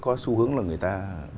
có xu hướng là người ta